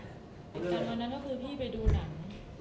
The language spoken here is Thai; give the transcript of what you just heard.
เถรขณ์แรกเพราะนั้นพี่ไปดูหนัง